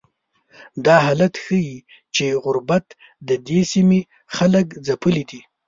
دا حالت ښیي چې غربت ددې سیمې خلک ځپلي دي.